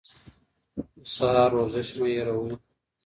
د سهار ورزش مه هېروئ.